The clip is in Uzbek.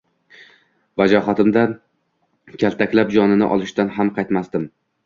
Vajohatimda kaltaklab jonini olishdan ham qaytmasdim